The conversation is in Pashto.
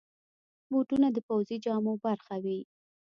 بوټونه د پوځي جامو برخه وي.